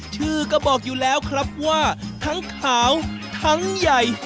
ชื่อก็บอกอยู่แล้วครับว่าทั้งขาวทั้งใหญ่